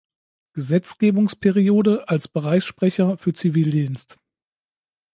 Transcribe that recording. Gesetzgebungsperiode als Bereichssprecher für Zivildienst.